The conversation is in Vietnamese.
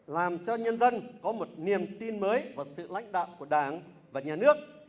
làm cho nhân dân có một niềm tin mới vào sự lãnh đạo của đảng và nhà nước